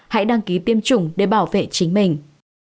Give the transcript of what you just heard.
hãy đăng ký tiêm chủng để bảo vệ chính mình